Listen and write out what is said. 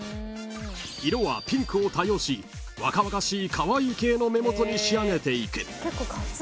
［色はピンクを多用し若々しいカワイイ系の目元に仕上げていく］